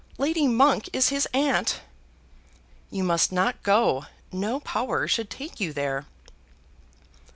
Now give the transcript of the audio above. Lady Monk is his aunt." "You must not go. No power should take you there."